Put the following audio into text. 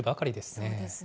そうですね。